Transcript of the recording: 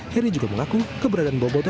heri juga mengaku keberadaan boboto